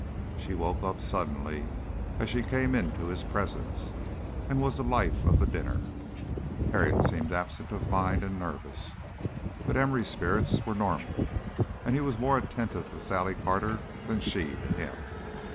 She woke up suddenly as she came into his presence, and was the life of the dinner. Harriet seemed absent of mind and nervous, but Emory's spirits were normal, and he was more attentive to Sally Carter than she to him.